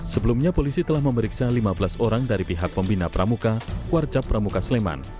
sebelumnya polisi telah memeriksa lima belas orang dari pihak pembina pramuka warcap pramuka sleman